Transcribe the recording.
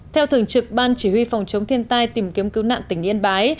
theo thường trực ban chỉ huy phòng chống thiên tai tìm kiếm cứu nạn tỉnh yên bái